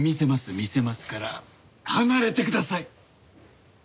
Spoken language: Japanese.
見せますから離れてください。